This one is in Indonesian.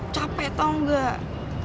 capek tau gak